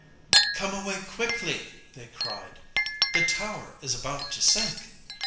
'Come away quickly,' they cried, 'the tower is about to sink!